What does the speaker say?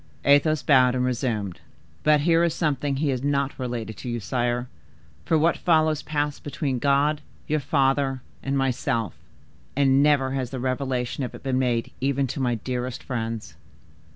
Athos bowed and resumed. "But here is something he had not related to you, sire, for what follows passed between God, your father, and myself; and never has the revelation of it been made even to my dearest friends.